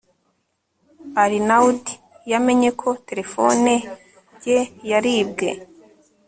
arnaud yamenye ko terefone ye yaribwe